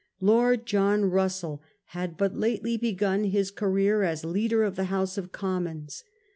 Lord John Russell had but lately begun his career as leader of the House of Commons.